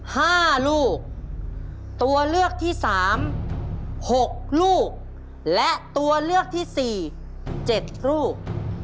ห้าลูกตัวเลือกที่สามหกลูกและตัวเลือกที่สี่เจ็ดลูก